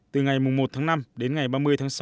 từ ngày một tháng năm đến ngày ba mươi tháng sáu